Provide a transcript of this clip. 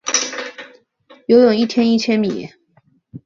游泳一天一千米